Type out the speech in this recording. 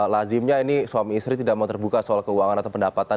lazimnya ini suami istri tidak mau terbuka soal keuangan atau pendapatan